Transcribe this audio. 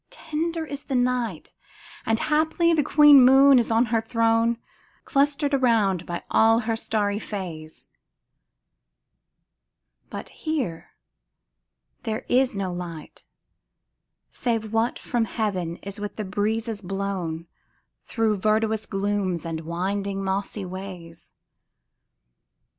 tender is the night, And haply the Queen Moon is on her throne, Clustered around by all her starry Fays ; But here there is no light, Save what from heaven is with the breezes blown Through verdurous glooms and winding mossy ways.